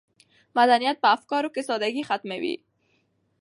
مدنیت په افکارو کې سادګي ختموي.